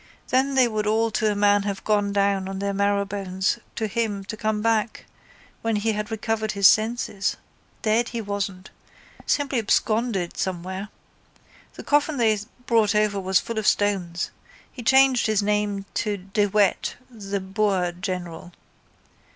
Then they would all to a man have gone down on their marrowbones to him to come back when he had recovered his senses. Dead he wasn't. Simply absconded somewhere. The coffin they brought over was full of stones. He changed his name to De Wet, the Boer general.